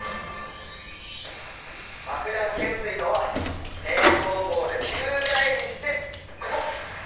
バクダン懸垂とは平行棒で宙返りして、ここ！